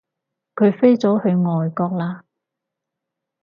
佢飛咗去外國喇